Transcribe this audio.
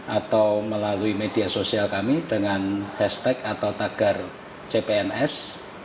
atau melalui media sosial kami dengan hashtag atau tagar cpns